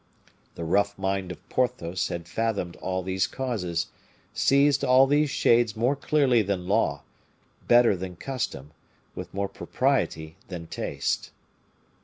The rough mind of Porthos had fathomed all these causes, seized all these shades more clearly than law, better than custom, with more propriety than taste.